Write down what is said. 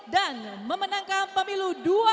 dan memenangkan pemilu dua ribu dua puluh empat